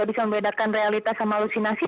bisa membedakan realitas sama lusinasi